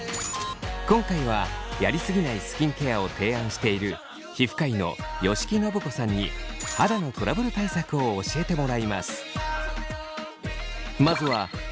今回はやりすぎないスキンケアを提案している皮膚科医の吉木伸子さんに肌のトラブル対策を教えてもらいます。